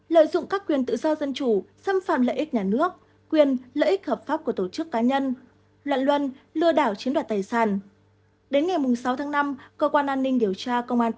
lợi dụng các quyền tự do dân chủ xâm phạm lợi ích nhà nước quyền lợi ích hợp pháp của tổ chức cá nhân